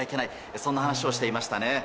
そんな話をしていました。